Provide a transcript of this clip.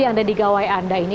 yang ada di gawai anda ini